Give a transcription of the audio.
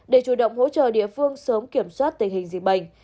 để chủ động hỗ trợ địa phương sớm kiểm soát tình hình dịch bệnh